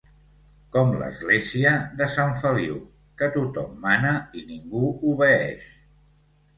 Com l'església de Sant Feliu, que tothom mana i ningú obeeix.